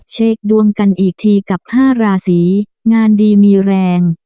เช็คดวงกันอีกทีกับ๕ราศีงานดีมีแรง